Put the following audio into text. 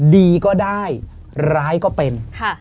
ดีก็ได้ร้ายก็เป็น